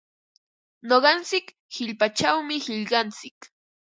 Nuqantsik qichpachawmi qillqantsik.